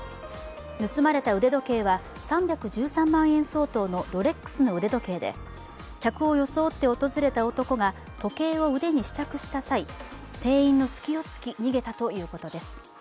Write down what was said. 盗まれた腕時計で３１３万円相当のロレックスの腕時計で客を装って訪れた男が時計を腕に試着した際店員の隙をつき逃げたということです。